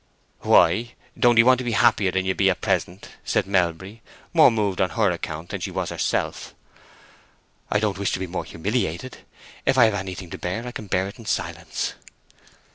"Why—don't 'ee want to be happier than you be at present?" said Melbury, more moved on her account than she was herself. "I don't wish to be more humiliated. If I have anything to bear I can bear it in silence."